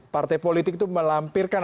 partai politik itu melampirkan